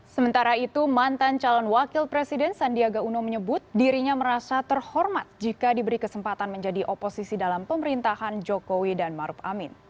sementara itu mantan calon wakil presiden sandiaga uno menyebut dirinya merasa terhormat jika diberi kesempatan menjadi oposisi dalam pemerintahan jokowi dan maruf amin